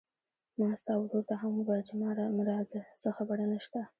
ما ستا ورور ته هم وويل چې ما راځه، څه خبره نشته.